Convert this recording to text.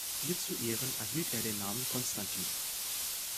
Ihr zu Ehren erhielt er den Namen Constantin.